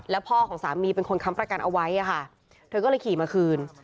แล้วพ่อของสามีเป็นคนค้ำประกันเอาไว้ค่ะเธอก็เลยขี่มาคืน